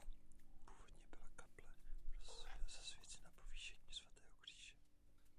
Původně byla kaple zasvěcena Povýšení svatého Kříže.